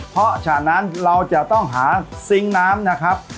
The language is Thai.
เพราะฉะนั้นเราจะต้องหาซิงค์น้ำนะครับ